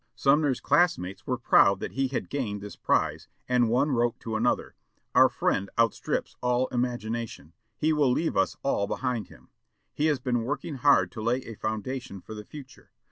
Sumner's class mates were proud that he had gained this prize, and one wrote to another, "Our friend outstrips all imagination. He will leave us all behind him.... He has been working hard to lay a foundation for the future.